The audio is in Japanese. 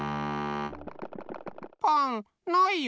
パンないよ。